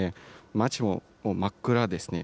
街も真っ暗ですね。